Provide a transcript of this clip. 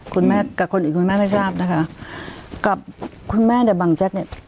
คุณแม่ไม่ทราบนะคะกับคุณแม่เนี่ยบังจักรเนี่ย